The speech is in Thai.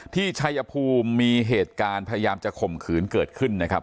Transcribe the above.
ชัยภูมิมีเหตุการณ์พยายามจะข่มขืนเกิดขึ้นนะครับ